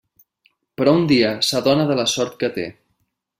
Però un dia, s'adona de la sort que té.